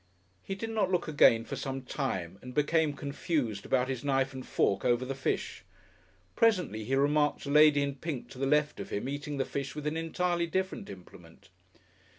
He did not look again for some time, and became confused about his knife and fork over the fish. Presently he remarked a lady in pink to the left of him eating the fish with an entirely different implement.